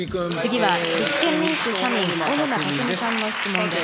次は立憲民主・社民、小沼巧さんの質問です。